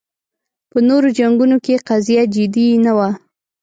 په نورو جنګونو کې قضیه جدي نه وه